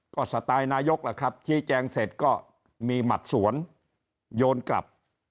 ก็สไตล์นายกล่ะครับชี้แจงเสร็จก็มีหมัดสวนโยนกลับ